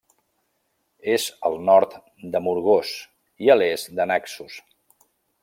És al nord d'Amorgós i a l'est de Naxos.